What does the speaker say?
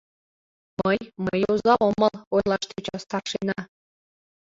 — Мый, мый оза омыл, — ойлаш тӧча старшина.